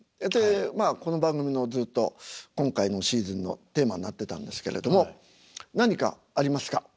でまあこの番組のずっと今回のシーズンのテーマになってたんですけれども何かありますか。